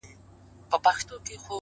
موږه كرلي دي اشنا دشاعر پښو ته زړونه ـ